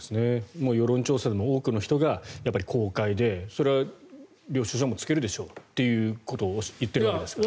世論調査でも多くの人が公開でそれは領収書もつけるでしょうということを言っているわけですから。